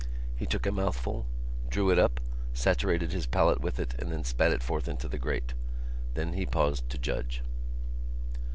He took a mouthful, drew it up, saturated his palate with it and then spat it forth into the grate. Then he paused to judge.